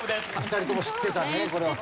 ２人とも知ってたねこれは。